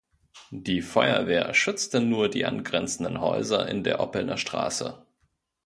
Die Feuerwehr schützte nur die angrenzenden Häuser in der Oppelner Straße.